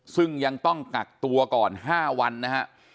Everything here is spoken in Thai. ซึ่งยังต้องกักตัวก่อน๕วันนะฮะ